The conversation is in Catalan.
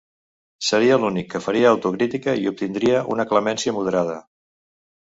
Seria l'únic que faria autocrítica i obtindria una clemència moderada.